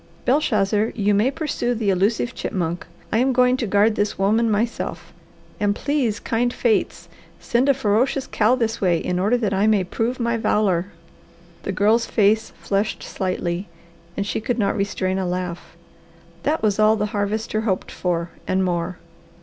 Belshazzar, you may pursue the elusive chipmunk. I am going to guard this woman myself, and please, kind fates, send a ferocious cow this way, in order that I may prove my valour." The Girl's face flushed slightly, and she could not restrain a laugh. That was all the Harvester hoped for and more.